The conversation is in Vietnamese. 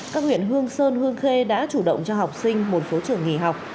các huyện hương sơn hương khê đã chủ động cho học sinh một phố trưởng nghỉ học